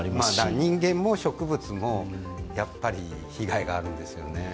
人間も植物も被害があるんですよね。